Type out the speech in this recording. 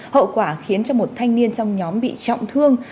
hậu quả khiến cho một thanh niên trong nhóm bị trọng thương